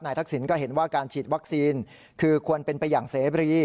ทักษิณก็เห็นว่าการฉีดวัคซีนคือควรเป็นไปอย่างเสบรี